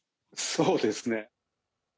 そうですね。